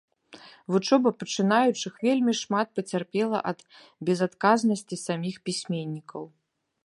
Вучоба пачынаючых вельмі шмат пацярпела ад безадказнасці саміх пісьменнікаў.